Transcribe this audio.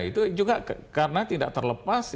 itu juga karena tidak terlepas